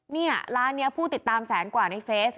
นี่ร้านนี้ผู้ติดตามแสนกว่าในเฟซ